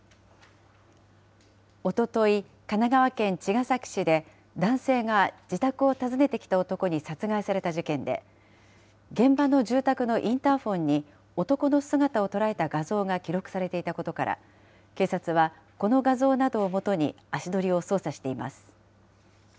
おととい、神奈川県茅ヶ崎市で、男性が自宅を訪ねてきた男に殺害された事件で、現場の住宅のインターフォンに、男の姿を捉えた画像が記録されていたことから、警察はこの画像などをもとに、足取りを捜査しています。